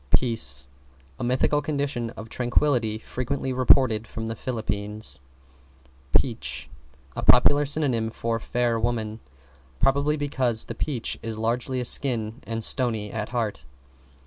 =PEACE= A mythical condition of tranquillity frequently reported from the Phillipines. =PEACH= A popular synonym for Fair Woman, probably because the peach is largely a skin and stony at heart.